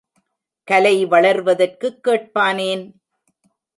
கலை வளர்வதற்குக் கேட்பானேன்?